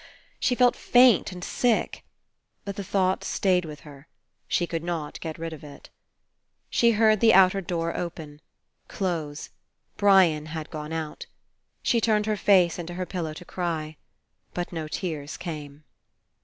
She " felt faint and sick. But the thought stayed with her. She could not get rid of it. She heard the outer door open. Close. Brian had gone out. She turned her face into her pillow to cry. But no tears came.